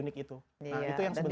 nah itu yang sebenarnya